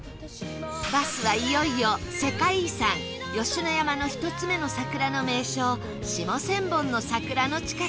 バスはいよいよ世界遺産吉野山の１つ目の桜の名所下千本の桜の近くへ